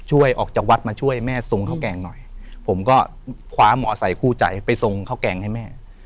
ออกจากวัดมาช่วยแม่ทรงข้าวแกงหน่อยผมก็คว้าหมอใส่คู่ใจไปทรงข้าวแกงให้แม่